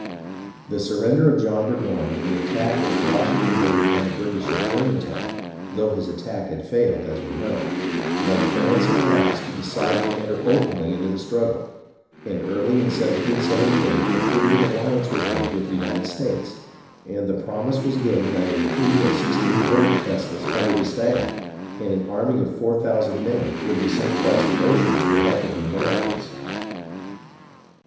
The surrender of John Burgoyne and the attack which Washington made upon the British at Germantown (though his attack had failed, as we know) led France at last to decide to enter openly into the struggle ; and early in 1778, a treaty of alliance was made with the United States, and the promise was given that a fleet of sixteen war vessels under d'Estaing, and an army of four thousand men, would be sent across the ocean to the help of the Americans.